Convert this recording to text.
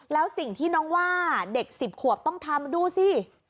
แล้วสิ่งที่น้องว่าเด็ก๑๐ขวบต้องทำดูสิ